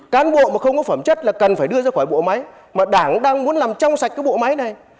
cán bộ mà không có phẩm chất là cần phải đưa ra khỏi bộ máy mà đảng đang muốn làm trong sạch cái bộ máy này